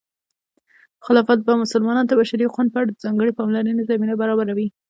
خلافت به مسلمانانو ته د بشري حقونو په اړه د ځانګړې پاملرنې زمینه برابروي.